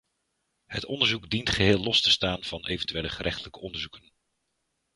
Het onderzoek dient geheel los te staan van eventuele gerechtelijke onderzoeken.